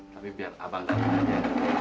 tapi biar abang kamu aja